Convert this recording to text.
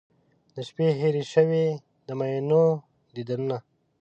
د شپې هیر شوي د میینو دیدنونه